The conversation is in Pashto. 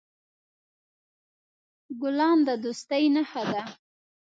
ګلان د دوستۍ نښه ده.